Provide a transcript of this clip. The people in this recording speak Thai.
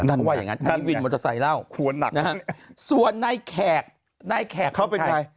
เพราะว่าอย่างนั้นไอ้วินมอเตอร์ไซค์เล่าส่วนในแขกเป็นใคร